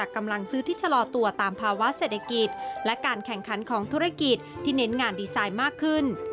กำลังซื้อที่ชะลอตัวตามภาวะเศรษฐกิจและการแข่งขันของธุรกิจที่เน้นงานดีไซน์มากขึ้น